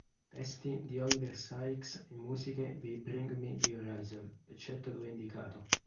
Testi di Oliver Sykes e musiche dei Bring Me the Horizon, eccetto dove indicato.